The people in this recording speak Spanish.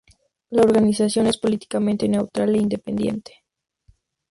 La organización es políticamente neutral e independiente.